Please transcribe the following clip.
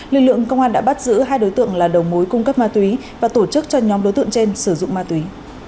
lực lượng công an đã bắt giữ hai đối tượng là đầu mối cung cấp ma túy và tổ chức cho nhóm đối tượng trên sử dụng ma túy